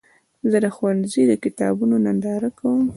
زه د ښوونځي د کتابونو ننداره کوم.